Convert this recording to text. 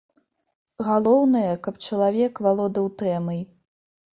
Галоўнае, каб чалавек валодаў тэмай.